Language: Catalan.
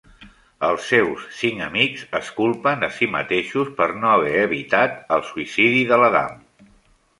Els seus cinc amics es culpen a si mateixos per no haver evitat el suïcidi de l'Adam.